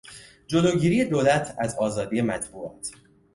جلوگیری دولت از آزادی مطبوعات